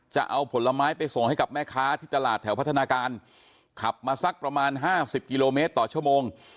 จะเอาผลไม้ไปส่งให้กับแม่ค้าที่ตลาดแถวพัฒนาการขับมาสักประมาณห้าสิบกิโลเมตรต่อชั่วโมง